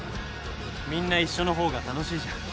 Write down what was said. みんな一緒の方が楽しいじゃん。